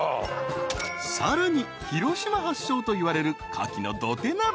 ［さらに広島発祥といわれるかきの土手鍋］